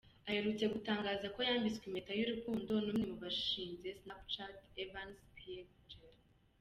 Aherutse gutangaza ko yambitswe impeta y’urukundo n’umwe mu bashinze Snapchat Evan Spiegel.